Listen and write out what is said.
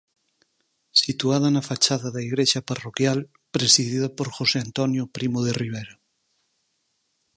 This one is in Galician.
Situada na fachada da igrexa parroquial, presidida por José Antonio Primo de Rivera.